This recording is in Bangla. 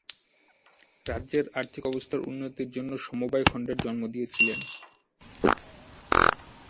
রাজ্যের আর্থিক অবস্থার উন্নতির জন্য সমবায় খণ্ডের জন্ম দিয়েছিলেন।